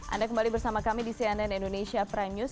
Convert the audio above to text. anda kembali bersama kami di cnn indonesia prime news